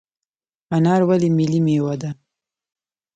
انار ولې ملي میوه ده؟